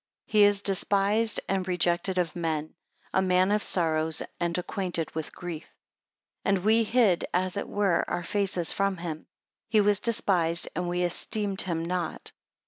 4 He is despised and rejected of men; a man of sorrows and acquainted with grief. 5 And we hid, as it were, our faces from him; he was despised, and we esteemed him not.